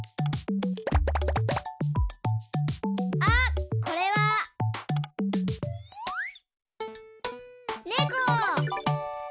あっこれは。ネコ！